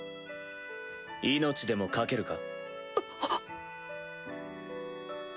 命でも懸けるか？